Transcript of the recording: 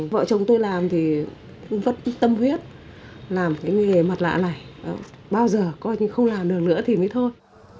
vợ chồng tôi làm thì vẫn tâm huyết làm cái nghề mặt lạ này bao giờ coi như không làm được nữa thì mới thôi